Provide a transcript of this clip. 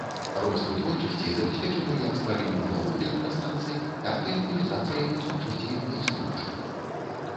Рост вытворчасці забяспечаны як стварэннем новых электрастанцый, так і аптымізацыяй вытворчасці на існуючых.